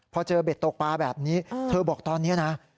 พอเจอเบ็ดตกปลาแบบนี้เธอบอกตอนนี้นะ